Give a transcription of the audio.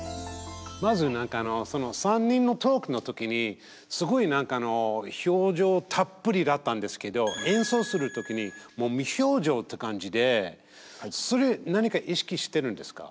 まず３人のトークの時にすごい何か表情たっぷりだったんですけど演奏する時にもう無表情っていう感じでそれ何か意識してるんですか？